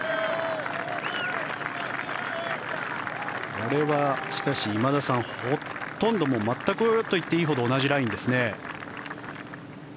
これはしかし、今田さんほとんど全くと言っていいほど同じラインですね。